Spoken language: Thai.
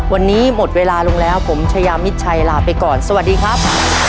วันนี้หมดเวลาลงแล้วผมชายามิดชัยลาไปก่อนสวัสดีครับ